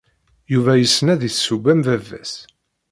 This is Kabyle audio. Yuba yessen ad yesseww am baba-s.